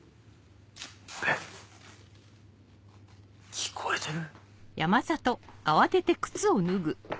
え聞こえてる？